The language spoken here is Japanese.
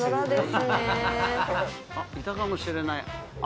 あっ、いたかもしれない。